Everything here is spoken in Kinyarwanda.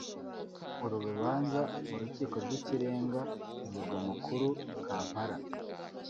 uru rubanza mu Rukiko rw’Ikirenga mu murwa mukuru Kampala